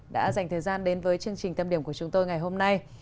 đã dành thời gian đến với chương trình tâm điểm của chúng tôi ngày hôm nay